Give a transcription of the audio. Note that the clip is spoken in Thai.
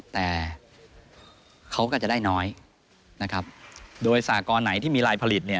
แต่เขาก็จะได้น้อยนะครับโดยสากรไหนที่มีลายผลิตเนี่ย